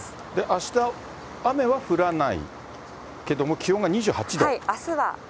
あした、雨は降らないけども、気温が２８度。